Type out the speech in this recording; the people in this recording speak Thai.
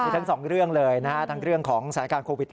คือทั้งสองเรื่องเลยนะฮะทั้งเรื่องของสถานการณ์โควิด